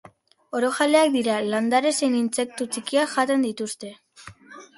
Orojaleak dira, landare zein intsektu txikiak jaten dituzte.